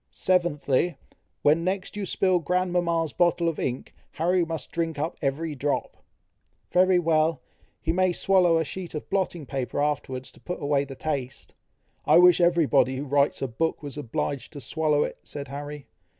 "Seventhly, when next you spill grandmama's bottle of ink, Harry must drink up every drop." "Very well! he may swallow a sheet of blotting paper afterwards, to put away the taste." "I wish every body who writes a book, was obliged to swallow it," said Harry.